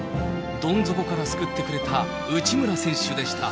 どん底から救ってくれた内村選手でした。